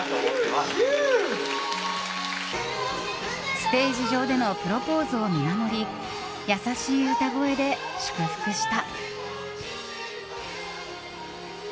ステージ上でのプロポーズを見守り優しい歌声で祝福した。